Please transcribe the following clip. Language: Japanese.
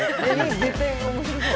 絶対面白そう。